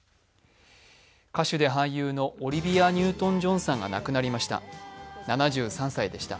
歌手で俳優のオリビア・ニュートン＝ジョンさんが亡くなりました。